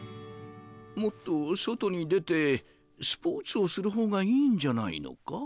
もっと外に出てスポーツをするほうがいいんじゃないのか？